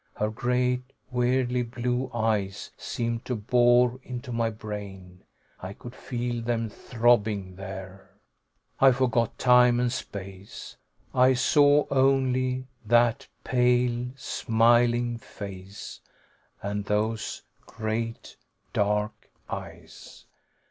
Her great, weirdly blue eyes seemed to bore into my brain. I could feel them throbbing there.... I forgot time and space. I saw only that pale, smiling face and those great dark eyes.